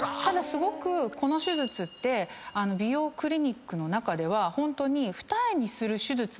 すごくこの手術って美容クリニックの中ではホントに。